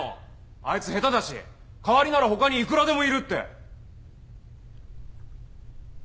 あいつ下手だし代わりならほかにいくらでもいるって！